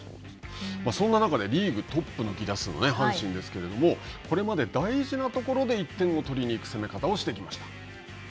そんな中で、リーグトップの犠打数の阪神ですけれども、これまで大事なところで１点を取りに行く攻め方をしてきました。